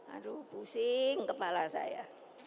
aduh pusing kepala saya